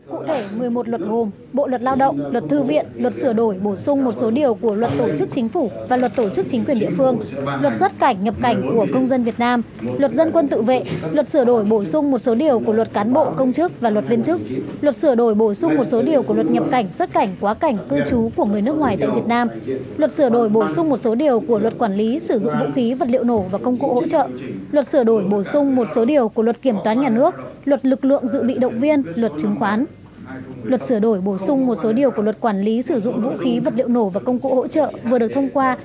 kiểm toán nhà nước luật lực lượng dự bị động viên luật chứng khoán luật sửa đổi bổ sung một số điều của luật quản lý sử dụng vũ khí vật liệu nổ và công cụ hỗ trợ vừa được thông qua